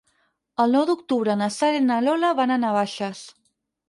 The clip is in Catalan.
El nou d'octubre na Sara i na Lola van a Navaixes.